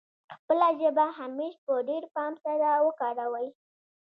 خپله ژبه همېش په ډېر پام سره وکاروي.